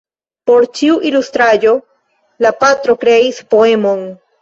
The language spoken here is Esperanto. Por ĉiu ilustraĵo la patro kreis poemon.